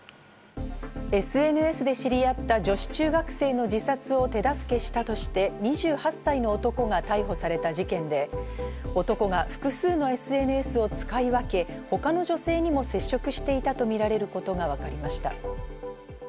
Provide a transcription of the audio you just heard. ＳＮＳで知り合った女子中学生の自殺を手助けしたとして、２８歳の男が逮捕された事件で、男は複数のＳＮＳを使い分け、他の女性にも接触していたとみられることがわかりました。